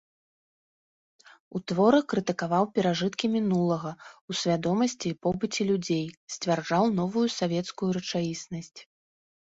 У творах крытыкаваў перажыткі мінулага ў свядомасці і побыце людзей, сцвярджаў новую савецкую рэчаіснасць.